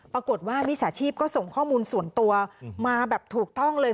มิจฉาชีพก็ส่งข้อมูลส่วนตัวมาแบบถูกต้องเลย